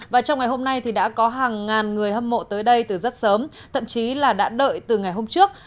và trong ngày hôm nay thì đã có hàng ngàn người hâm mộ tới đây từ rất sớm thậm chí là đã đợi từ ngày hôm trước